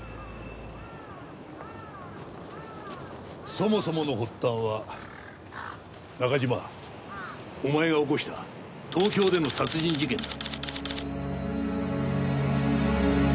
そもそもの発端は中島お前が起こした東京での殺人事件だ。